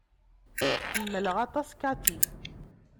Ḥemmleɣ aṭas Cathy.